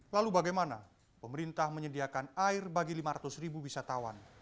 lalu bagaimana pemerintah menyediakan air bagi lima ratus ribu wisatawan